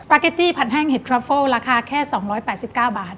เกตตี้ผัดแห้งเห็ดทรอเฟิลราคาแค่๒๘๙บาท